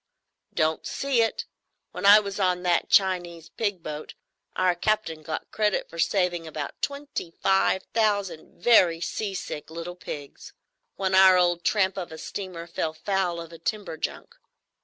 "Don't see it. When I was on that Chinese pig boat, our captain got credit for saving about twenty five thousand very seasick little pigs, when our old tramp of a steamer fell foul of a timber junk.